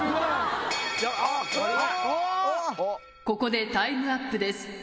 ここでタイムアップです。